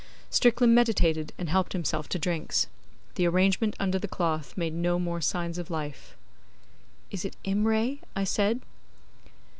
Strickland meditated, and helped himself to drinks. The arrangement under the cloth made no more signs of life. 'Is it Imray?' I said.